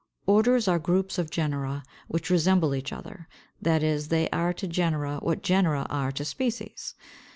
529. =Orders= are groups of genera that resemble each other; that is, they are to genera what genera are to species.